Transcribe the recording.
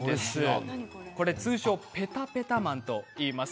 通称、ペタペタマンといいます。